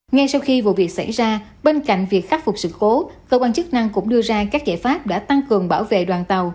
ngay sau khi vụ việc xảy ra bên cạnh việc khắc phục sự cố cơ quan chức năng cũng đưa ra các giải pháp đã tăng cường bảo vệ đoàn tàu